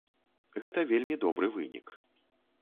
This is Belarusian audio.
Гэта вельмі добры вынік.